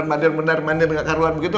nih bener bener mainin dengan karulan begitu